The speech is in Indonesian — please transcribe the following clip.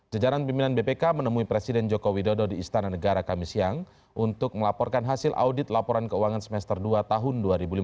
jajaran pimpinan bpk menemui presiden joko widodo di istana negara kami siang untuk melaporkan hasil audit laporan keuangan semester dua tahun dua ribu lima belas